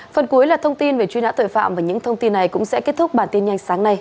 phần cuối là thông tin về truy nã tội phạm và những thông tin này cũng sẽ kết thúc bản tin nhanh sáng nay